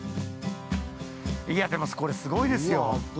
いやでも、これすごいですよ。